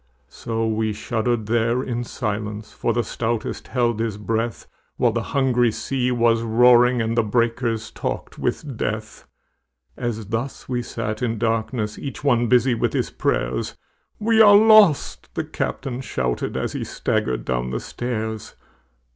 So we shuddered there in silence, For the stoutest held his breath, While the hungry sea was roaring And the breakers talked with death. As thus we sat in darkness Each one busy with his prayers, "We are lost!" the captain shouted, As he staggered down the stairs.